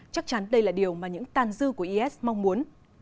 chắc chắn đây là điều mà những tàn dư của is mong muốn